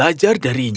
aku juga berharap